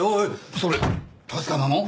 それ確かなの？